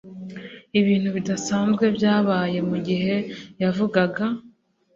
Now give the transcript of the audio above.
Ibintu bidasanzwe byabaye mugihe yavugaga.